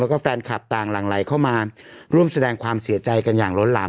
แล้วก็แฟนคลับต่างหลังไหลเข้ามาร่วมแสดงความเสียใจกันอย่างล้นหลาม